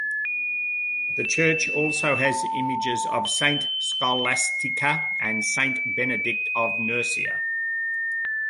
The church also has images of Saint Scholastica and Saint Benedict of Nursia.